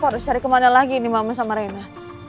kok harus cari kemana lagi ini maman sama rena